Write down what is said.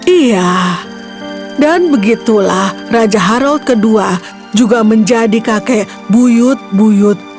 iya dan begitulah raja harald ii juga menjadi kakek buyut buyut